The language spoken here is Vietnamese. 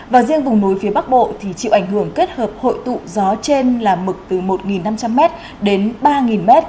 và riêng vùng núi phía bắc bộ thì chịu ảnh hưởng kết hợp hội tụ gió trên là mực từ một năm trăm linh m đến ba m